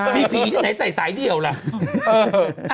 มีผีที่ไหนใส่สายเดี่ยวล่ะ